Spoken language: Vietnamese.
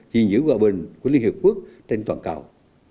vì giữ hòa bình của liên hợp quốc trên toàn cầu